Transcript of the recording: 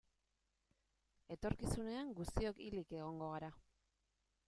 Etorkizunean guztiok hilik egongo gara.